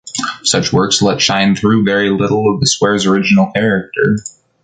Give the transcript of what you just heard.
Such works let shine through very little of the square’s original character.